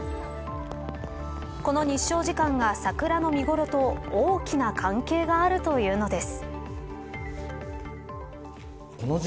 この日照時間が桜の見頃と大きな関係があるというのです。